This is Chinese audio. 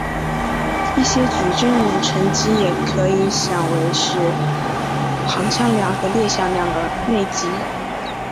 一般矩阵乘积也可以想为是行向量和列向量的内积。